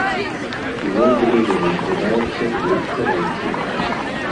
Увогуле, яна складаецца з двух кавалкаў.